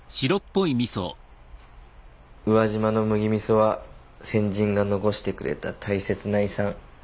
宇和島の麦みそは先人が残してくれた大切な遺産。